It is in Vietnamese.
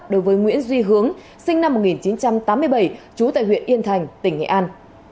đối với nguyễn duy hướng sinh năm một nghìn chín trăm tám mươi bảy trú tại huyện yên thành tỉnh nghệ an